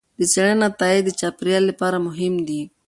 د څېړنې نتایج د چاپیریال لپاره مهم دي.